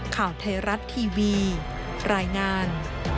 ข่าวไทยรัฐทีวีรายงาน